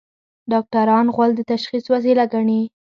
ډاکټران غول د تشخیص وسیله ګڼي.